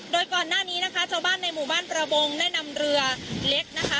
โดยก่อนหน้านี้นะคะชาวบ้านในหมู่บ้านประมงได้นำเรือเล็กนะคะ